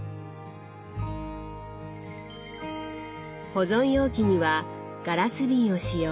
保存容器にはガラス瓶を使用。